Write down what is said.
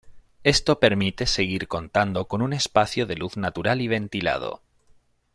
Esto permite seguir contando con un espacio de luz natural y ventilado.